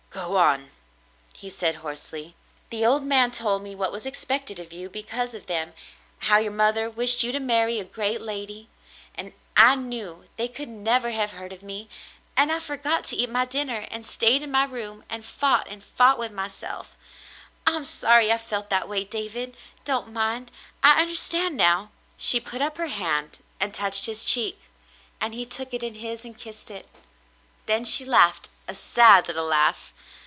"Go on," he said hoarsely. "The old man told me what was expected of you because of them — how your mother wished you to marry a great lady — and I knew they could never have heard of me — and I forgot to eat my dinner and stayed in my room and fought and fought with myself — I'm sorry I felt that way, David. Don't mind. I understand now." She put up her hand and touched his cheek, and he took it in his and kissed it. Then she laughed a sad little laugh.